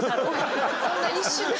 そんなに一瞬で？